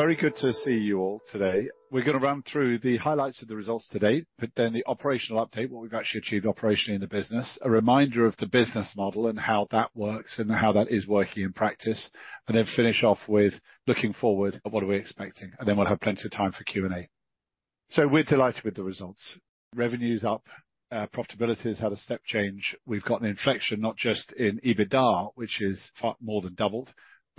Very good to see you all today. We're gonna run through the highlights of the results today, but then the operational update, what we've actually achieved operationally in the business. A reminder of the business model and how that works, and how that is working in practice, and then finish off with looking forward at what are we expecting. And then we'll have plenty of time for Q&A. So we're delighted with the results. Revenue is up. Profitability has had a step change. We've got an inflection, not just in EBITDA, which is far more than doubled,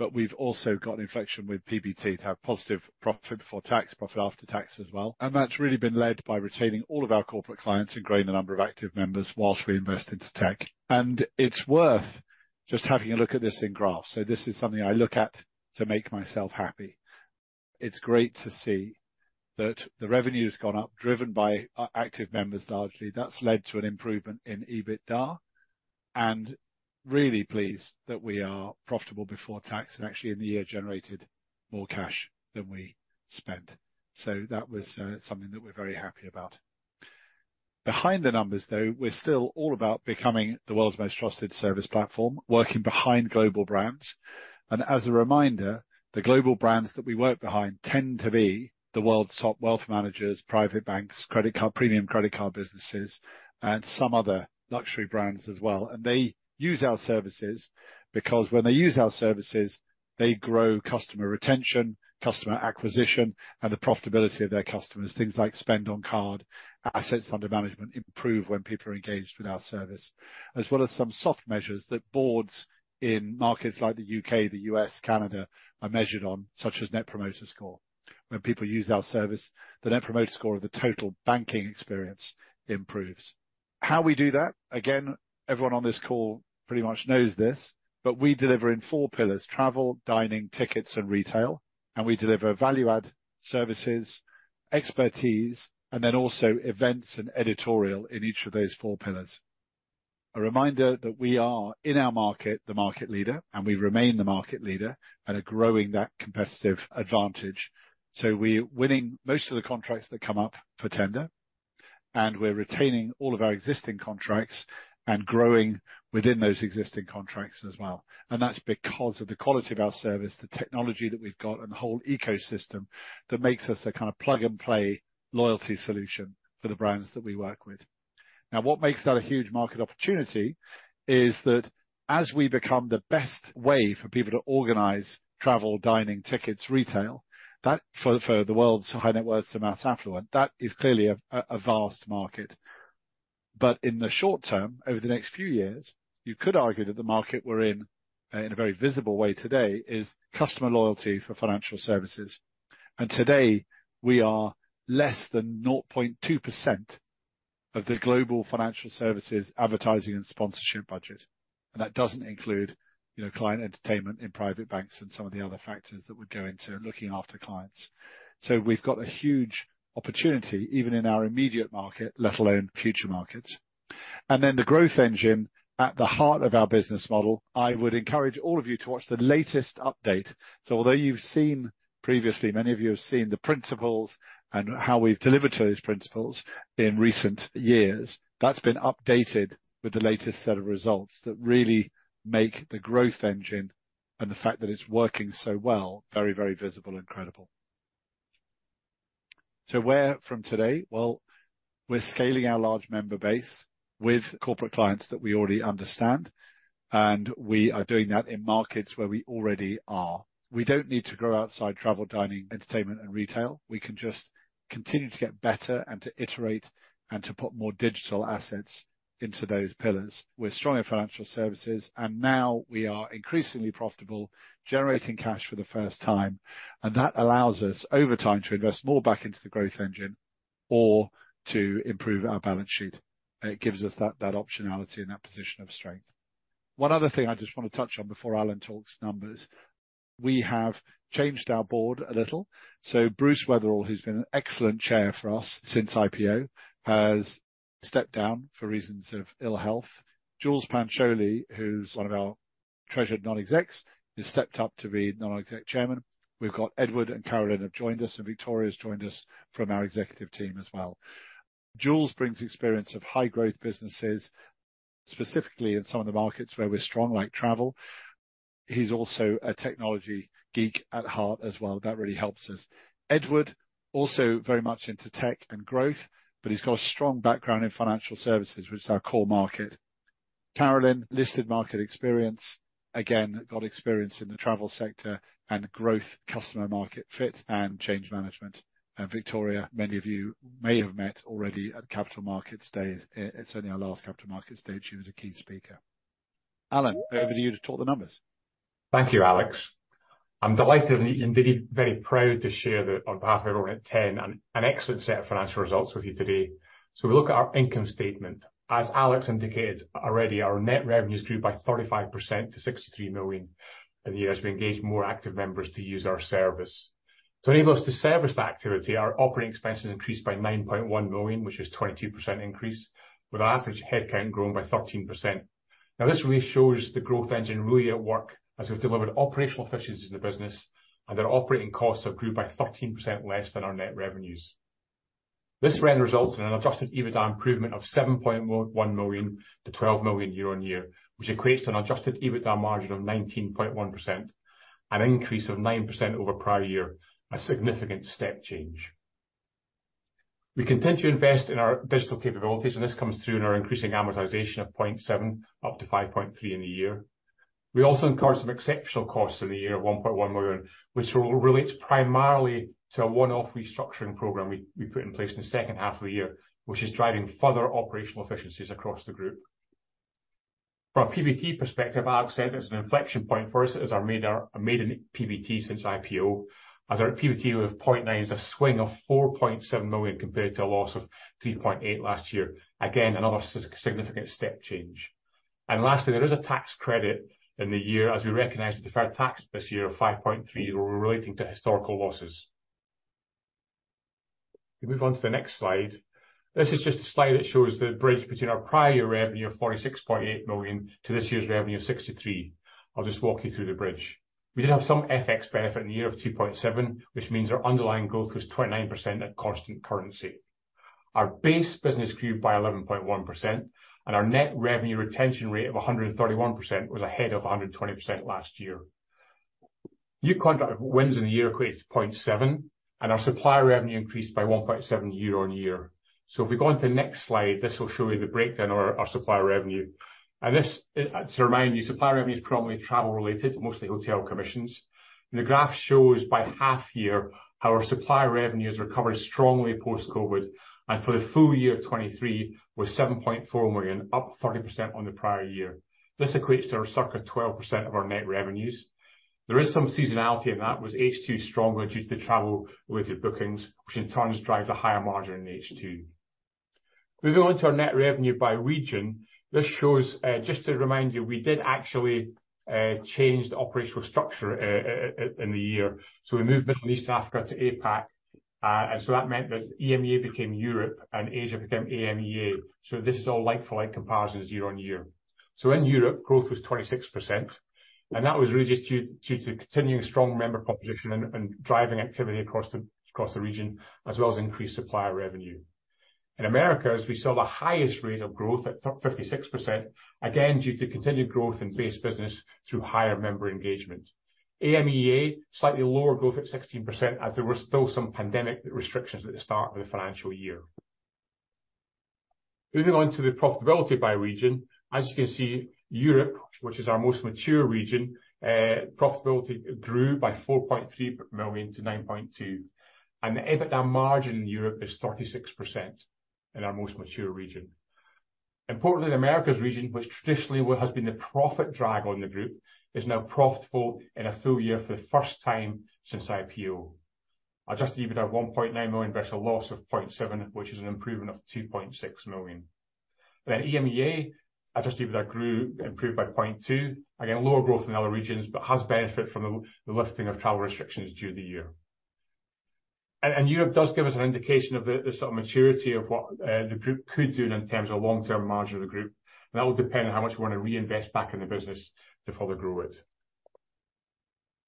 but we've also got an inflection with PBT to have positive profit before tax, profit after tax as well. And that's really been led by retaining all of our corporate clients, and growing the number of active members while we invest into tech. It's worth just having a look at this in graphs. This is something I look at to make myself happy. It's great to see that the revenue's gone up, driven by active members, largely. That's led to an improvement in EBITDA, and really pleased that we are profitable before tax, and actually in the year, generated more cash than we spent. That was something that we're very happy about. Behind the numbers, though, we're still all about becoming the world's most trusted service platform, working behind global brands. As a reminder, the global brands that we work behind tend to be the world's top wealth managers, private banks, premium credit card businesses, and some other luxury brands as well. They use our services because when they use our services, they grow customer retention, customer acquisition, and the profitability of their customers. Things like spend on card, assets under management, improve when people are engaged with our service. As well as some soft measures that boards in markets like the U.K., the U.S., Canada, are measured on, such as Net Promoter Score. When people use our service, the Net Promoter Score or the total banking experience improves. How we do that, again, everyone on this call pretty much knows this, but we deliver in four pillars: travel, dining, tickets, and retail, and we deliver value-add services, expertise, and then also events and editorial in each of those four pillars. A reminder that we are, in our market, the market leader, and we remain the market leader and are growing that competitive advantage. So we're winning most of the contracts that come up for tender, and we're retaining all of our existing contracts and growing within those existing contracts as well. That's because of the quality of our service, the technology that we've got, and the whole ecosystem that makes us a kind of plug-and-play loyalty solution for the brands that we work with. Now, what makes that a huge market opportunity is that as we become the best way for people to organize travel, dining, tickets, retail, that for the world's high net worth to mass affluent, that is clearly a vast market. But in the short term, over the next few years, you could argue that the market we're in, in a very visible way today, is customer loyalty for financial services. Today, we are less than 0.2% of the global financial services, advertising, and sponsorship budget. That doesn't include, you know, client entertainment in private banks and some of the other factors that would go into looking after clients. So we've got a huge opportunity, even in our immediate market, let alone future markets. And then the growth engine at the heart of our business model. I would encourage all of you to watch the latest update. So although you've seen... previously, many of you have seen the principles and how we've delivered to those principles in recent years, that's been updated with the latest set of results that really make the growth engine and the fact that it's working so well, very, very visible and credible. So where from today? Well, we're scaling our large member base with corporate clients that we already understand, and we are doing that in markets where we already are. We don't need to grow outside travel, dining, entertainment, and retail. We can just continue to get better and to iterate and to put more digital assets into those pillars. We're strong in financial services, and now we are increasingly profitable, generating cash for the first time, and that allows us, over time, to invest more back into the growth engine or to improve our balance sheet. It gives us that, that optionality and that position of strength. One other thing I just want to touch on before Alan talks numbers. We have changed our board a little. So Bruce Weatherill, who's been an excellent chair for us since IPO, has stepped down for reasons of ill health. Jules Pancholi, who's one of our treasured non-execs, has stepped up to be non-exec chairman. We've got Edward and Carolyn have joined us, and Victoria has joined us from our executive team as well. Jules brings experience of high-growth businesses, specifically in some of the markets where we're strong, like travel. He's also a technology geek at heart as well. That really helps us. Edward, also very much into tech and growth, but he's got a strong background in financial services, which is our core market. Carolyn, listed market experience. Again, got experience in the travel sector and growth, customer market fit, and change management. And Victoria, many of you may have met already at Capital Markets Day. At certainly our last Capital Markets Day, she was a key speaker. Alan, over to you to talk the numbers. Thank you, Alex. I'm delighted and indeed very proud to share that on behalf of everyone at Ten, an excellent set of financial results with you today. We look at our income statement. As Alex indicated already, our net revenues grew by 35% to 63 million in the year, as we engaged more active members to use our service. To enable us to service that activity, our operating expenses increased by 9.1 million, which is 22% increase, with our average headcount growing by 13%. Now, this really shows the growth engine really at work, as we've delivered operational efficiencies in the business and our operating costs have grew by 13% less than our net revenues. This trend results in an adjusted EBITDA improvement of 7.11 million to 12 million year-on-year, which equates to an adjusted EBITDA margin of 19.1%, an increase of 9% over prior year, a significant step change. We continue to invest in our digital capabilities, and this comes through in our increasing amortization of 0.7 million up to 5.3 million in the year. We also incurred some exceptional costs in the year, of 1.1 million, which relates primarily to a one-off restructuring program we put in place in the second half of the year, which is driving further operational efficiencies across the group. From a PBT perspective, Alex said, it's an inflection point for us as our maiden PBT since IPO. As our PBT of 0.9 is a swing of 4.7 million, compared to a loss of 3.8 last year. Again, another significant step change. And lastly, there is a tax credit in the year, as we recognize the deferred tax this year of 5.3, relating to historical losses. We move on to the next slide. This is just a slide that shows the bridge between our prior year revenue of 46.8 million to this year's revenue of 63. I'll just walk you through the bridge. We did have some FX benefit in the year of 2.7, which means our underlying growth was 29% at constant currency. Our base business grew by 11.1%, and our net revenue retention rate of 131% was ahead of 120% last year. New contract wins in the year equates to 0.7, and our supplier revenue increased by 1.7 year-on-year. So if we go on to the next slide, this will show you the breakdown of our supplier revenue. And this, to remind you, supplier revenue is predominantly travel related, mostly hotel commissions. And the graph shows by half-year, our supplier revenues recovered strongly post-COVID, and for the full year of 2023, was 7.4 million, up 30% on the prior year. This equates to circa 12% of our net revenues. There is some seasonality in that, with H2 stronger due to travel related bookings, which in turn drives a higher margin in H2. Moving on to our net revenue by region. This shows, just to remind you, we did actually change the operational structure in the year. So we moved Middle East, Africa to APAC, and so that meant that EMEA became Europe and Asia became AMEA. So this is all like for like comparisons year-on-year. So in Europe, growth was 26%, and that was really just due to continuing strong member proposition and driving activity across the region, as well as increased supplier revenue. In Americas, we saw the highest rate of growth at 56%, again, due to continued growth in base business through higher member engagement. AMEA, slightly lower growth at 16%, as there were still some pandemic restrictions at the start of the financial year. Moving on to the profitability by region. As you can see, Europe, which is our most mature region, profitability grew by 4.3 million to 9.2 million, and the EBITDA margin in Europe is 36% in our most mature region. Importantly, the Americas region, which traditionally what has been the profit drag on the group, is now profitable in a full year for the first time since IPO. Adjusted EBITDA 1.9 million versus a loss of 0.7 million, which is an improvement of 2.6 million. Then AMEA, adjusted EBITDA grew, improved by 0.2 million. Again, lower growth than other regions, but has benefit from the lifting of travel restrictions during the year. Europe does give us an indication of the sort of maturity of what the group could do in terms of long-term margin of the group, and that will depend on how much we want to reinvest back in the business to further grow it.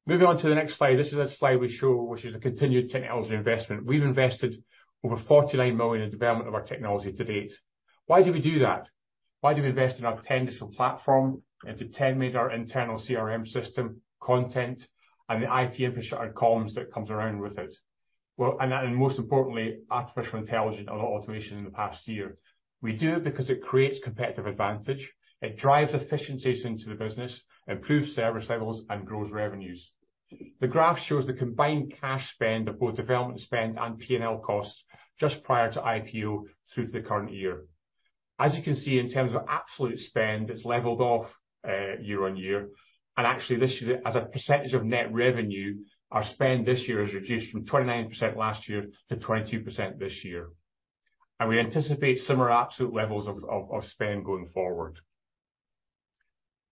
Moving on to the next slide. This is a slide we show, which is a continued technology investment. We've invested over 49 million in the development of our technology to date. Why do we do that? Why do we invest in our technical platform, into TenMAID, our internal CRM system, content, and the IT infrastructure and comms that comes around with it? Well, and then most importantly, artificial intelligence and automation in the past year. We do it because it creates competitive advantage, it drives efficiencies into the business, improves service levels, and grows revenues. The graph shows the combined cash spend of both development spend and P&L costs just prior to IPO through to the current year. As you can see, in terms of absolute spend, it's leveled off year-on-year, and actually, this year, as a percentage of net revenue, our spend this year has reduced from 29% last year to 22% this year, and we anticipate similar absolute levels of spend going forward.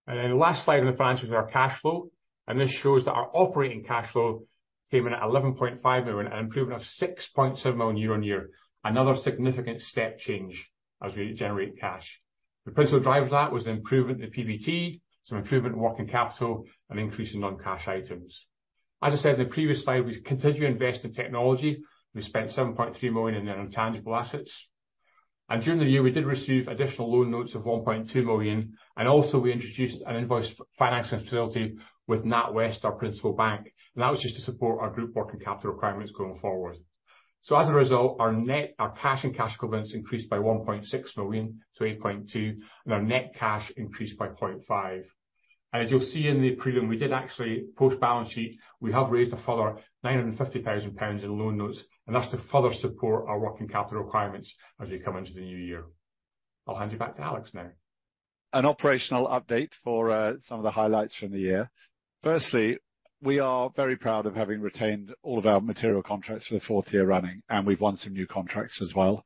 And then the last slide in the finances is our cash flow, and this shows that our operating cash flow came in at 11.5 million, an improvement of 6.7 million year-on-year. Another significant step change as we generate cash. The principal driver of that was the improvement in the PBT, some improvement in working capital, and increase in non-cash items. As I said in the previous slide, we continue to invest in technology. We spent 7.3 million in our intangible assets, and during the year, we did receive additional loan notes of 1.2 million, and also, we introduced an invoice finance facility with NatWest, our principal bank, and that was just to support our group working capital requirements going forward. So as a result, our net cash and cash equivalents increased by 1.6 million to 8.2 million, and our net cash increased by 0.5 million. And as you'll see in the premium, we did actually, post-balance sheet, we have raised a further 950,000 pounds in loan notes, and that's to further support our working capital requirements as we come into the new year. I'll hand you back to Alex now. An operational update for some of the highlights from the year. Firstly, we are very proud of having retained all of our material contracts for the fourth year running, and we've won some new contracts as well.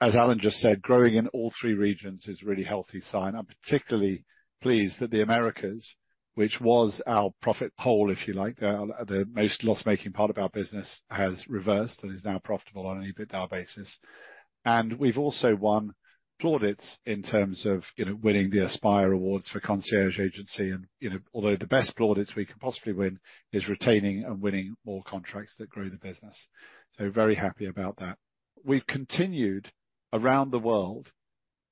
As Alan just said, growing in all three regions is a really healthy sign. I'm particularly pleased that the Americas, which was our profit hole, if you like, the most loss-making part of our business, has reversed and is now profitable on an EBITDA basis. And we've also won plaudits in terms of, you know, winning the Aspire Awards for concierge agency. And, you know, although the best plaudits we could possibly win is retaining and winning more contracts that grow the business. So very happy about that. We've continued around the world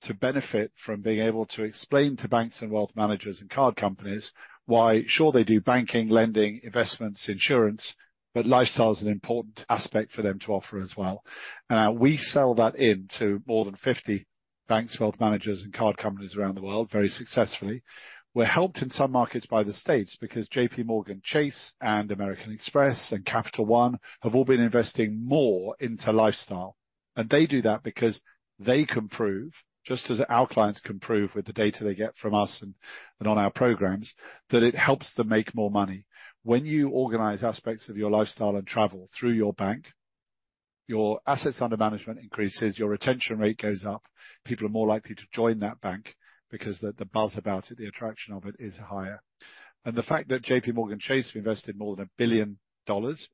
to benefit from being able to explain to banks and wealth managers and card companies why, sure, they do banking, lending, investments, insurance, but lifestyle is an important aspect for them to offer as well. And, we sell that into more than 50 banks, wealth managers, and card companies around the world very successfully. We're helped in some markets by the States because JPMorgan Chase, and American Express, and Capital One have all been investing more into lifestyle. And they do that because they can prove, just as our clients can prove with the data they get from us and, and on our programs, that it helps them make more money. When you organize aspects of your lifestyle and travel through your bank, your assets under management increases, your retention rate goes up. People are more likely to join that bank because the, the buzz about it, the attraction of it, is higher. The fact that JPMorgan Chase have invested more than $1 billion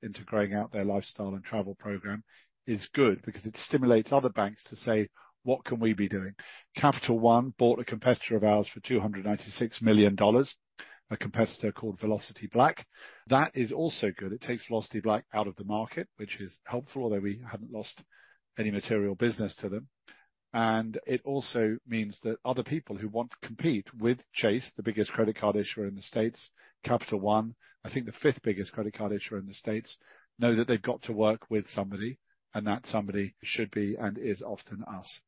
into growing out their lifestyle and travel program is good because it stimulates other banks to say: "What can we be doing?" Capital One bought a competitor of ours for $296 million, a competitor called Velocity Black. That is also good. It takes Velocity Black out of the market, which is helpful, although we haven't lost any material business to them. It also means that other people who want to compete with Chase, the biggest credit card issuer in the States, Capital One, I think the fifth biggest credit card issuer in the States, know that they've got to work with somebody, and that somebody should be and is often us.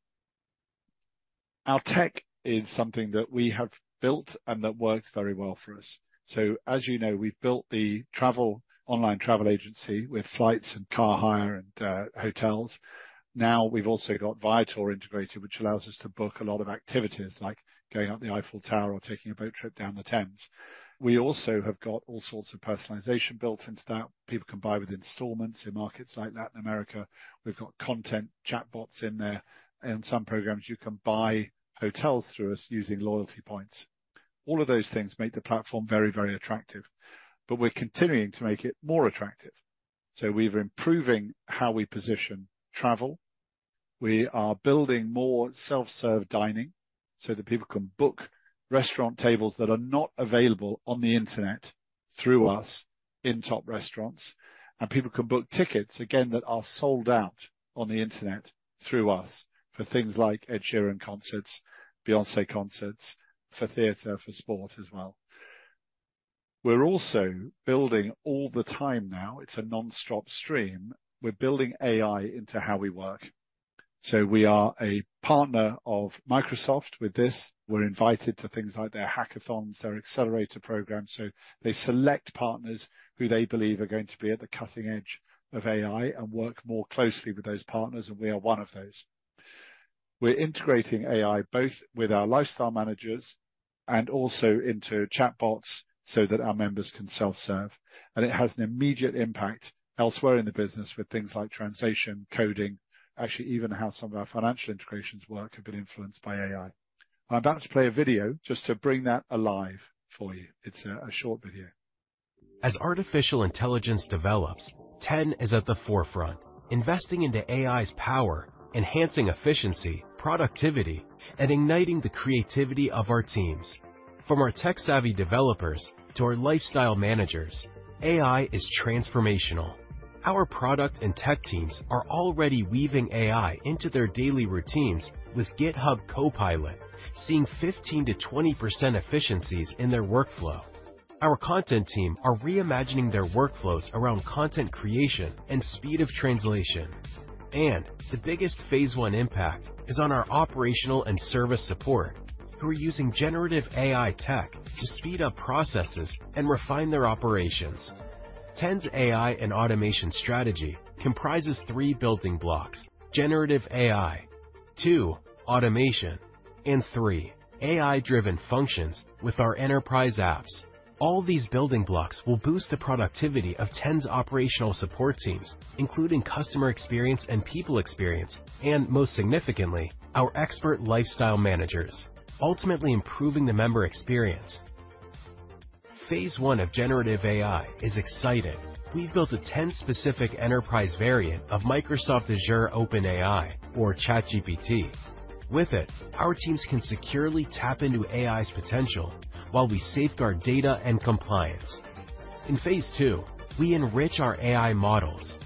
Our tech is something that we have built and that works very well for us. So as you know, we've built the online travel agency with flights and car hire and hotels. Now, we've also got Viator integrated, which allows us to book a lot of activities, like going up the Eiffel Tower or taking a boat trip down the Thames. We also have got all sorts of personalization built into that. People can buy with installments in markets like Latin America. We've got content chatbots in there. In some programs, you can buy hotels through us using loyalty points. All of those things make the platform very, very attractive, but we're continuing to make it more attractive. So we're improving how we position travel. We are building more self-serve dining so that people can book restaurant tables that are not available on the internet through us in top restaurants. People can book tickets, again, that are sold out on the internet through us for things like Ed Sheeran concerts, Beyoncé concerts, for theater, for sport as well. We're also building all the time now; it's a nonstop stream. We're building AI into how we work. We are a partner of Microsoft with this. We're invited to things like their hackathons, their accelerator program. They select partners who they believe are going to be at the cutting edge of AI and work more closely with those partners, and we are one of those. We're integrating AI both with our lifestyle managers and also into chatbots so that our members can self-serve. It has an immediate impact elsewhere in the business with things like translation, coding. Actually, even how some of our financial integrations work have been influenced by AI. I'm about to play a video just to bring that alive for you. It's a short video. As artificial intelligence develops, Ten is at the forefront, investing into AI's power, enhancing efficiency, productivity, and igniting the creativity of our teams. From our tech-savvy developers to our lifestyle managers, AI is transformational. Our product and tech teams are already weaving AI into their daily routines with GitHub Copilot, seeing 15%-20% efficiencies in their workflow. Our content team are reimagining their workflows around content creation and speed of translation. The biggest phase one impact is on our operational and service support, who are using generative AI tech to speed up processes and refine their operations. Ten's AI and automation strategy comprises three building blocks: generative AI, 2, automation, and 3, AI-driven functions with our enterprise apps. All these building blocks will boost the productivity of Ten's operational support teams, including customer experience and people experience, and most significantly, our expert lifestyle managers, ultimately improving the member experience. Phase one of generative AI is exciting. We've built a Ten-specific enterprise variant of Microsoft Azure OpenAI or ChatGPT. With it, our teams can securely tap into AI's potential while we safeguard data and compliance. In phase two, we enrich our AI models.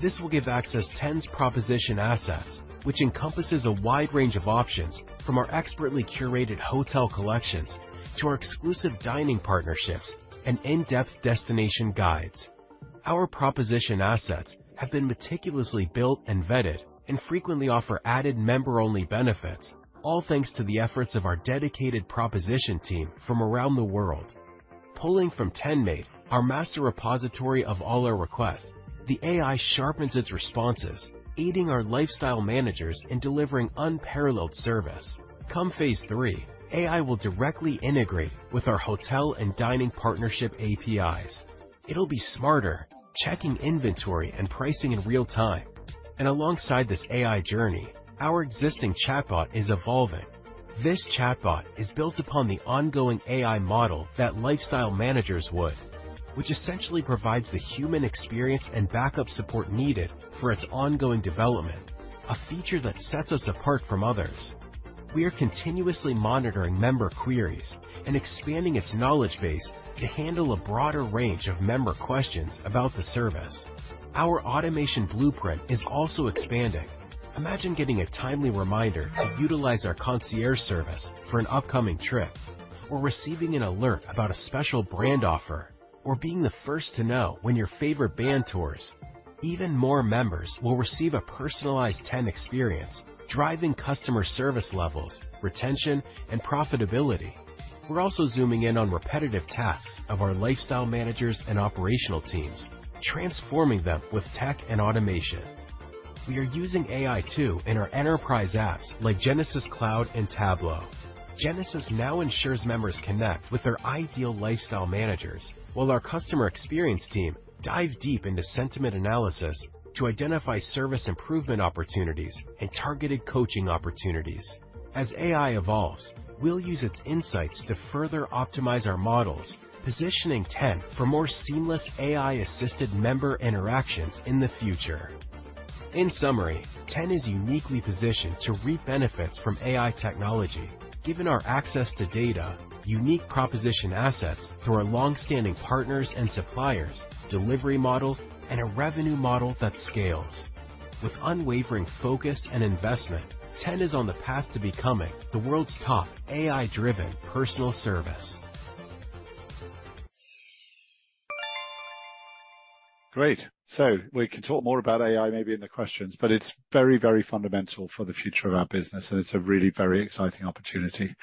This will give access to Ten's proposition assets, which encompasses a wide range of options, from our expertly curated hotel collections to our exclusive dining partnerships and in-depth destination guides. Our proposition assets have been meticulously built and vetted and frequently offer added member-only benefits, all thanks to the efforts of our dedicated proposition team from around the world. Pulling from TenMaid, our master repository of all our requests, the AI sharpens its responses, aiding our lifestyle managers in delivering unparalleled service. Come phase three, AI will directly integrate with our hotel and dining partnership APIs. It'll be smarter, checking inventory and pricing in real time. Alongside this AI journey, our existing chatbot is evolving... This chatbot is built upon the ongoing AI model that lifestyle managers would, which essentially provides the human experience and backup support needed for its ongoing development, a feature that sets us apart from others. We are continuously monitoring member queries and expanding its knowledge base to handle a broader range of member questions about the service. Our automation blueprint is also expanding. Imagine getting a timely reminder to utilize our concierge service for an upcoming trip, or receiving an alert about a special brand offer, or being the first to know when your favorite band tours. Even more members will receive a personalized Ten experience, driving customer service levels, retention, and profitability. We are also zooming in on repetitive tasks of our lifestyle managers and operational teams, transforming them with tech and automation. We are using AI, too, in our enterprise apps like Genesys Cloud and Tableau. Genesys now ensures members connect with their ideal lifestyle managers, while our customer experience team dive deep into sentiment analysis to identify service improvement opportunities and targeted coaching opportunities. As AI evolves, we'll use its insights to further optimize our models, positioning Ten for more seamless AI-assisted member interactions in the future. In summary, Ten is uniquely positioned to reap benefits from AI technology, given our access to data, unique proposition assets through our long-standing partners and suppliers, delivery model, and a revenue model that scales. With unwavering focus and investment, Ten is on the path to becoming the world's top AI-driven personal service. Great! So we can talk more about AI maybe in the questions, but it's very, very fundamental for the future of our business, and it's a really very exciting opportunity.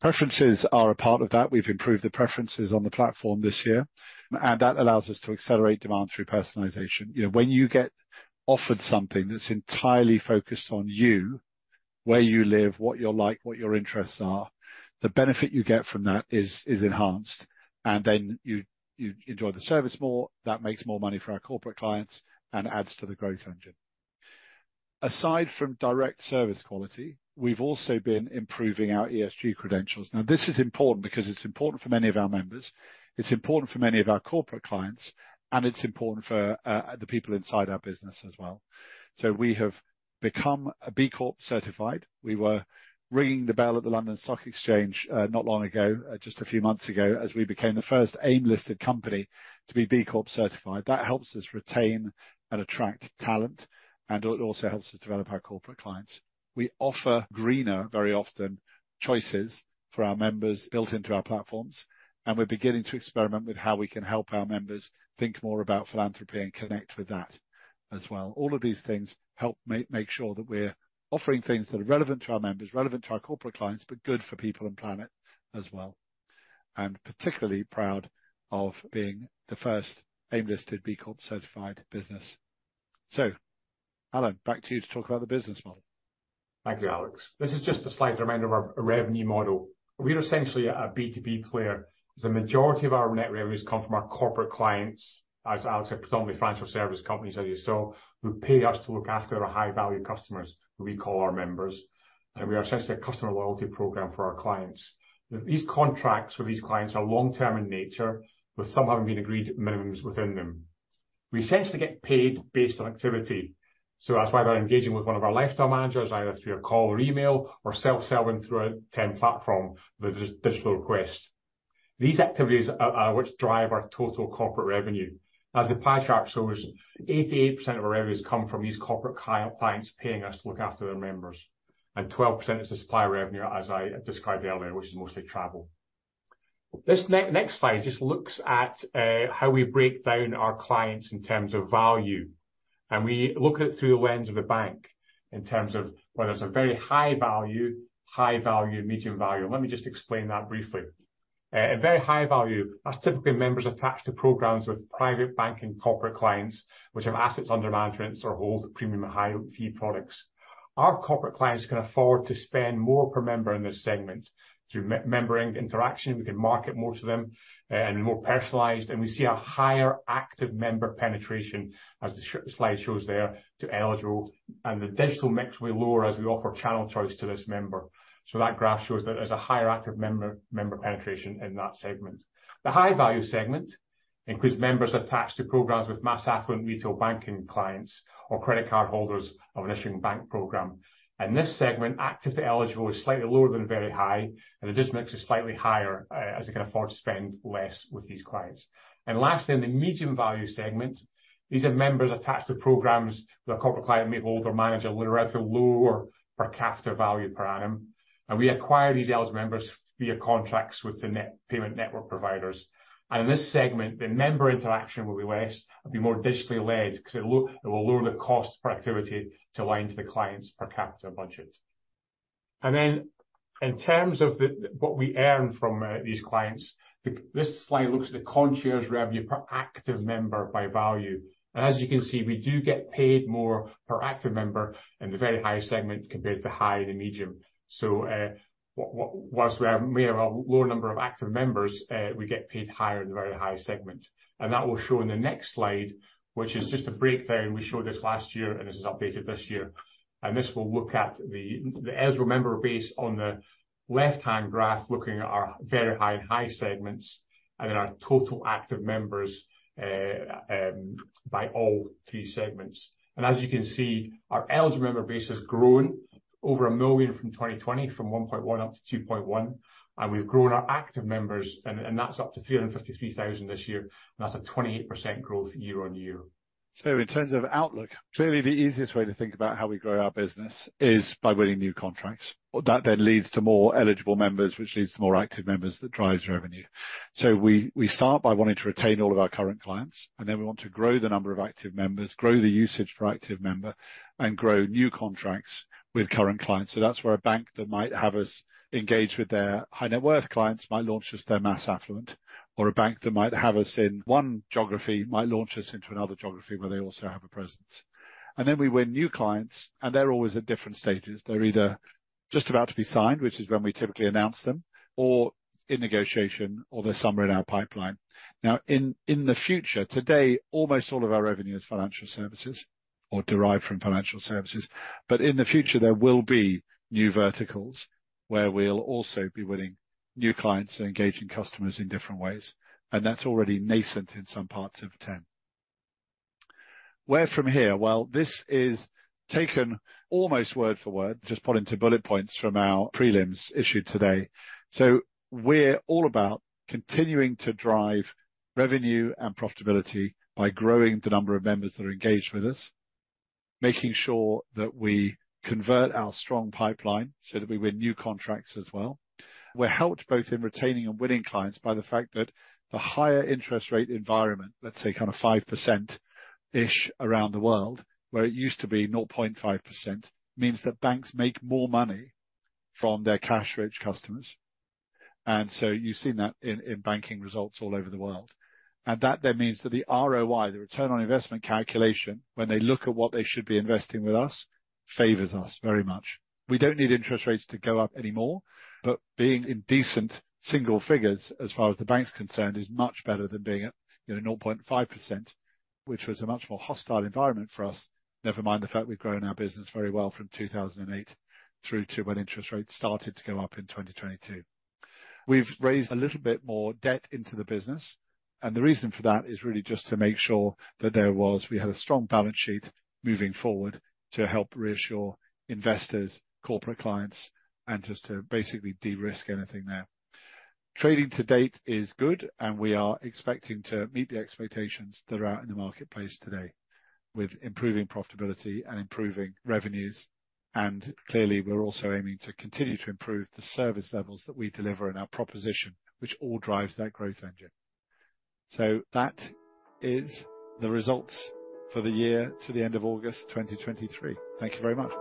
Preferences are a part of that. We've improved the preferences on the platform this year, and that allows us to accelerate demand through personalization. You know, when you get offered something that's entirely focused on you, where you live, what you're like, what your interests are, the benefit you get from that is, is enhanced, and then you, you enjoy the service more. That makes more money for our corporate clients and adds to the growth engine. Aside from direct service quality, we've also been improving our ESG credentials. Now, this is important because it's important for many of our members, it's important for many of our corporate clients, and it's important for the people inside our business as well. So we have become a B Corp certified. We were ringing the bell at the London Stock Exchange, not long ago, just a few months ago, as we became the first AIM-listed company to be B Corp certified. That helps us retain and attract talent, and it also helps us develop our corporate clients. We offer greener, very often, choices for our members built into our platforms, and we're beginning to experiment with how we can help our members think more about philanthropy and connect with that as well. All of these things help make sure that we're offering things that are relevant to our members, relevant to our corporate clients, but good for people and planet as well. I'm particularly proud of being the first AIM-listed B Corp certified business. So, Alan, back to you to talk about the business model. Thank you, Alex. This is just a slide to remind of our revenue model. We're essentially a B2B player, as the majority of our net revenues come from our corporate clients, as Alex said, predominantly financial service companies, as you saw, who pay us to look after our high-value customers, who we call our members, and we are essentially a customer loyalty program for our clients. These contracts with these clients are long-term in nature, with some having been agreed minimums within them. We essentially get paid based on activity, so that's why they're engaging with one of our lifestyle managers, either through a call or email or self-serving through our Ten platform, the digital request. These activities are what drive our total corporate revenue. As the pie chart shows, 88% of our revenues come from these corporate clients paying us to look after their members, and 12% is the supply revenue, as I described earlier, which is mostly travel. This next slide just looks at how we break down our clients in terms of value, and we look at it through the lens of a bank in terms of whether it's a very high value, high value, medium value. Let me just explain that briefly. A very high value, that's typically members attached to programs with private banking corporate clients, which have assets under management or hold premium high fee products. Our corporate clients can afford to spend more per member in this segment. Through member interaction, we can market more to them and more personalized, and we see a higher active member penetration, as the slide shows there, to eligible, and the digital mix way lower as we offer channel choice to this member. So that graph shows that there's a higher active member, member penetration in that segment. The high-value segment includes members attached to programs with mass affluent retail banking clients or credit card holders of an issuing bank program. In this segment, active to eligible is slightly lower than very high, and the digital mix is slightly higher, as you can afford to spend less with these clients. And lastly, in the medium value segment, these are members attached to programs where corporate client may hold or manage a relatively lower per capita value per annum, and we acquire these eligible members via contracts with the net payment network providers. And in this segment, the member interaction will be less and be more digitally led, because it will lower the cost per activity to align to the client's per capita budget. And then in terms of the, what we earn from, these clients, this slide looks at the concierge revenue per active member by value. And as you can see, we do get paid more per active member in the very high segment compared to the high and the medium. So, whilst we have a lower number of active members, we get paid higher in the very high segment. That will show in the next slide, which is just a breakdown. We showed this last year, and this is updated this year. This will look at the eligible member base on the left-hand graph, looking at our very high and high segments, and then our total active members by all three segments. As you can see, our eligible member base has grown over a million from 2020, from 1.1 up to 2.1, and we've grown our active members, that's up to 353,000 this year, and that's a 28% growth year-on-year. So in terms of outlook, clearly the easiest way to think about how we grow our business is by winning new contracts. Well, that then leads to more eligible members, which leads to more active members, that drives revenue. So we, we start by wanting to retain all of our current clients, and then we want to grow the number of active members, grow the usage for active member, and grow new contracts with current clients. So that's where a bank that might have us engage with their high net worth clients might launch us their mass affluent, or a bank that might have us in one geography, might launch us into another geography where they also have a presence. And then we win new clients, and they're always at different stages. They're either just about to be signed, which is when we typically announce them, or in negotiation, or they're somewhere in our pipeline. Now, in the future, today, almost all of our revenue is financial services or derived from financial services, but in the future, there will be new verticals where we'll also be winning new clients and engaging customers in different ways, and that's already nascent in some parts of Ten. Where from here? Well, this is taken almost word for word, just put into bullet points from our prelims issued today. So we're all about continuing to drive revenue and profitability by growing the number of members that are engaged with us, making sure that we convert our strong pipeline so that we win new contracts as well. We're helped both in retaining and winning clients by the fact that the higher interest rate environment, let's say kind of 5%-ish around the world, where it used to be 0.5%, means that banks make more money from their cash-rich customers, and so you've seen that in banking results all over the world. That then means that the ROI, the return on investment calculation, when they look at what they should be investing with us, favors us very much. We don't need interest rates to go up anymore, but being in decent single figures, as far as the bank's concerned, is much better than being at, you know, 0.5%, which was a much more hostile environment for us. Never mind the fact we've grown our business very well from 2008 through to when interest rates started to go up in 2022. We've raised a little bit more debt into the business, and the reason for that is really just to make sure that there was... we had a strong balance sheet moving forward to help reassure investors, corporate clients, and just to basically de-risk anything there. Trading to date is good, and we are expecting to meet the expectations that are out in the marketplace today, with improving profitability and improving revenues. And clearly, we're also aiming to continue to improve the service levels that we deliver in our proposition, which all drives that growth engine. So that is the results for the year to the end of August 2023. Thank you very much.